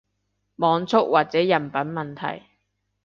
網速或者人品問題